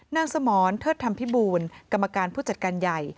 สมรเทิดธรรมพิบูลกรรมการผู้จัดการใหญ่